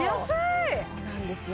そうなんですよ